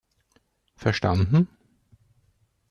Verstanden!